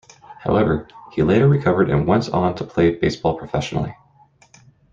However, he later recovered and went on to play baseball professionally.